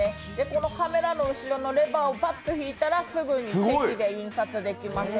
このカメラの後ろのレバーをパッと引いたら、すぐにチェキで印刷できます。